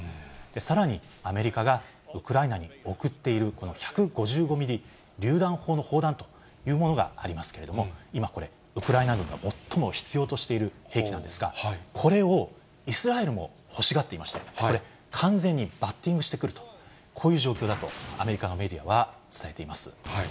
さらにアメリカがウクライナに送っている、この１５５ミリりゅう弾砲の砲弾というものがありますけれども、今これ、ウクライナ軍が最も必要としている兵器なんですが、これをイスラエルも欲しがっていまして、これ、完全にバッティングしてくると、こういう状況だとアメリカのメディアは伝えています。